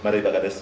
mari pak gatis